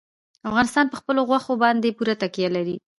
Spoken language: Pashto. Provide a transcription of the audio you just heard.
افغانستان په خپلو غوښې باندې پوره تکیه لري.